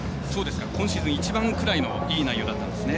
今シーズン一番ぐらいのいい内容だったんですね。